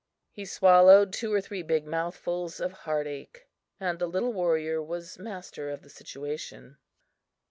He swallowed two or three big mouthfuls of heart ache and the little warrior was master of the situation.